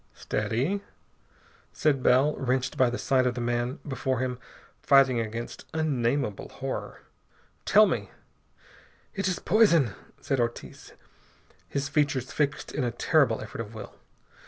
"Steady!" said Bell, wrenched by the sight of the man before him fighting against unnameable horror. "Tell me " "It is poison," said Ortiz, his features fixed in a terrible effort of will.